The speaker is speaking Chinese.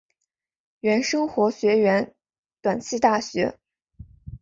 原生活学园短期大学。